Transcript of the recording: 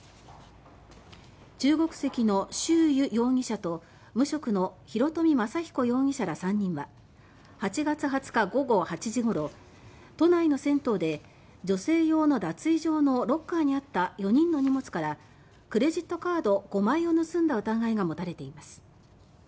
中国籍のシュウ・ユ容疑者と無職の広冨雅彦容疑者ら３人は８月２０日午後８時ごろ都内の銭湯で女性用の脱衣場のロッカーにあった４人の荷物からクレジットカード５枚を盗んだ疑いがもたれています。